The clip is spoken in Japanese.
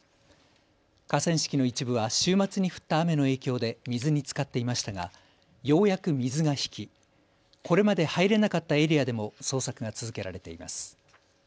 河川敷の一部は週末に降った雨の影響で水につかっていましたがようやく水が引きこれまで入れなかったエリアでも捜索が続けられています。